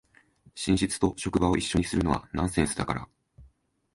寝室と職場を一緒にするのはナンセンスだから